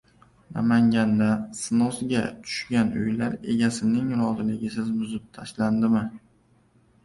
Namanganda “snos”ga tushgan uylar egasining roziligisiz buzib tashlandimi?